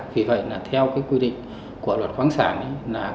vì vậy theo quy định của luật khoáng sản